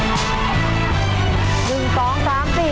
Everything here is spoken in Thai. กล่อข้าวหลามใส่กระบอกภายในเวลา๓นาที